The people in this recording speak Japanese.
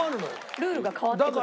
ルールが変わってくる。